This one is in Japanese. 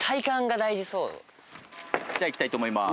じゃあいきたいと思います